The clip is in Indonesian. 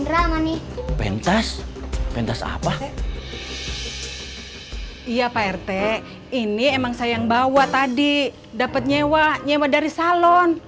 drama nih pentas pentas apa iya pak rt ini emang saya yang bawa tadi dapat nyewa nyewa dari salon